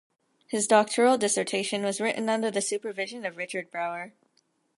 His doctoral dissertation was written under the supervision of Richard Brauer.